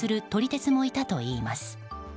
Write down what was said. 鉄もいたといいます。